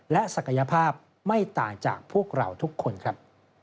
และศักยภาพไม่ต่างจากพวกเราทุกคนครับ